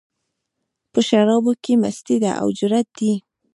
په شرابو کې مستي ده، او جرت دی